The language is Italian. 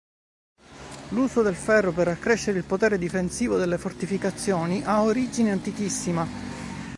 L'uso del ferro per accrescere il potere difensivo delle fortificazioni ha origine antichissima.